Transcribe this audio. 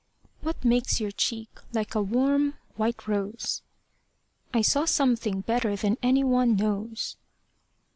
What makes your cheek like a warm white rose? I saw something better than any one knows.